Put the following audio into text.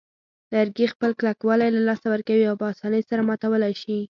لرګي خپل کلکوالی له لاسه ورکوي او په آسانۍ سره ماتولای شي.